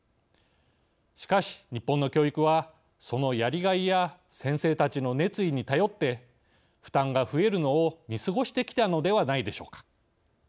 しかし日本の教育はそのやりがいや先生たちの熱意に頼って負担が増えるのを見過ごしてきたのではないでしょうか。